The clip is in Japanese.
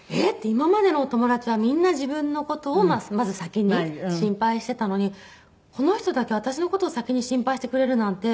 今までのお友達はみんな自分の事をまず先に心配してたのにこの人だけ私の事を先に心配してくれるなんて。